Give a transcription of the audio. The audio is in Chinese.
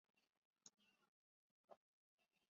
谢迪尼人口变化图示